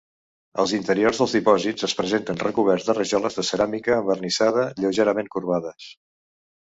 Els interiors dels dipòsits es presenten recoberts de rajoles de ceràmica envernissada lleugerament corbades.